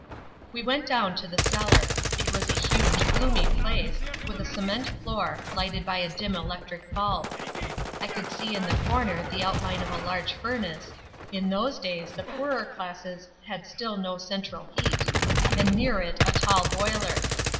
"We went down to the cellar. It was a huge, gloomy place, with a cement floor, lighted by a dim electric bulb. I could see in the corner the outline of a large furnace (in those days the poorer classes had still no central heat) and near it a tall boiler.